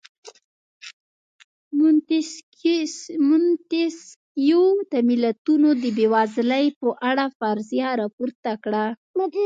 مونتیسکیو د ملتونو د بېوزلۍ په اړه فرضیه راپورته کړه.